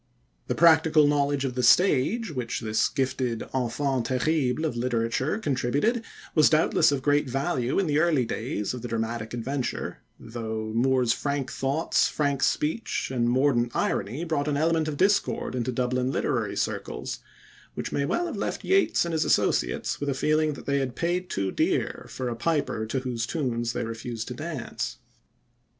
The practical knowledge of the stage which this gifted enfant terrible of literature contributed was doubtless of great value in the early days of the dramatic adventure, though Moore's free thoughts, frank speech, and mordant irony brought an element of discord into Dublin literary circles, which may well have left Yeats and his associates with a feeling that they had paid too dear for a piper to whose tunes they refused to dance.